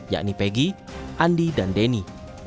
yakni pegi andi dan denny